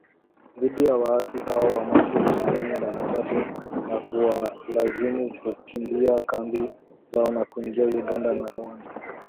dhidi ya waasi hao wa Machi ishirini na tatu na kuwalazimu kukimbia kambi zao na kuingia Uganda na Rwanda